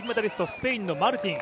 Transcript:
スペインのマルティン